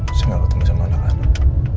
mungkin aku ketemu sama anak anak